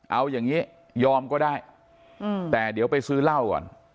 เอาอย่างนี้ยอมก็ได้แต่เดี๋ยวไปซื้อเหล้าก่อน